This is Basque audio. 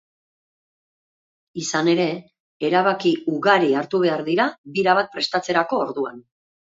Izan ere, erabakiugari hartu behar dira bira bat prestatzerako orduan.